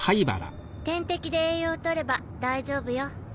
点滴で栄養とれば大丈夫よ！